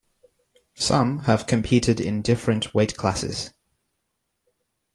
Some have competed in different weight classes.